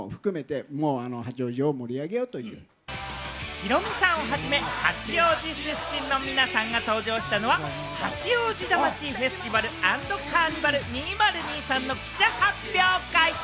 ヒロミさんをはじめ八王子出身の皆さんが登場したのは、八王子魂Ｆｅｓｔｉｖａｌ＆Ｃａｒｎｉｖａｌ２０２３の記者発表会。